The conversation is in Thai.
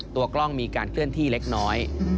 ตัวกล้องมีการเคลื่อนที่เล็กน้อย